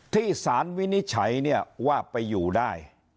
ที่สารวินิจฉัยเนี่ยว่าไปอยู่ได้